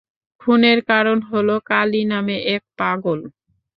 খুনের কারণ হল কালী নামে এক পাগল।